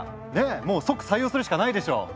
もう即採用するしかないでしょう？